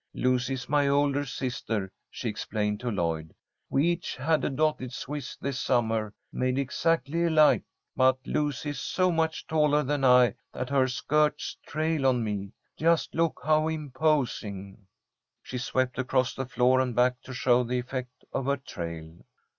Lucy is my older sister," she explained to Lloyd. "We each had a dotted Swiss this summer, made exactly alike, but Lucy is so much taller than I that her skirts trail on me. Just look how imposing!" She swept across the floor and back to show the effect of her trail.